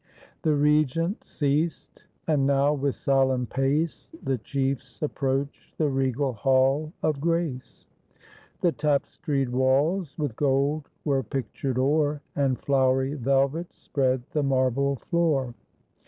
] The Regent ceased; and now with solemn pace The chiefs approach the regal hall of grace. The tap'stried walls with gold were pictured o'er. And flowery velvet spread the marble floor.